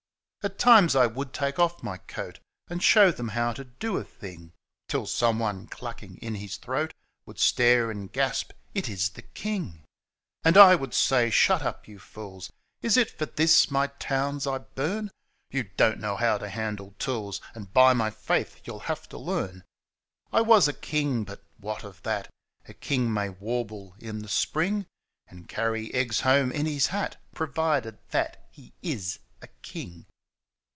At times I would take off my coat And show them how to do a thing — Till someone, clucking in his throat, Would stare and gasp, * It is the king !' And I would say, * Shut up, you fools ! Is it for this my towns I bum ? You don't know how to handle tools, And by my faith youll have to learn !' I was a king, but what of that 1 A king may warble in the spring And carry eggs home in his hat. Provided that he is a king.